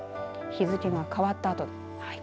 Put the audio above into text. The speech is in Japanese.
日付が変わったあとはい。